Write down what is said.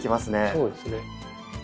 そうですね。